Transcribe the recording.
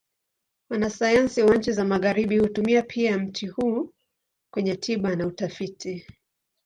Wanasayansi wa nchi za Magharibi hutumia pia mti huu kwenye tiba na utafiti.